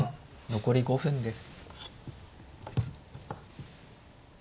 残り５分です。